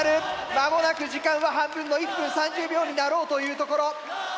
間もなく時間は半分の１分３０秒になろうというところ。